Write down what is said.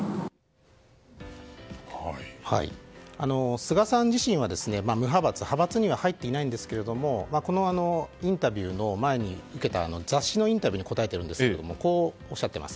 菅さん自身は無派閥派閥には入っていないんですがこのインタビューの前に雑誌のインタビューに答えているんですがこうおっしゃっています。